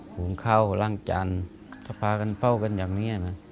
ห่วงเข้าล่างจานทฟากันเฝ้ากันอย่างนี้นะ